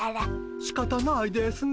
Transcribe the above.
しかたないですね。